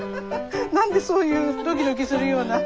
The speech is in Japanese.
何でそういうドキドキするような。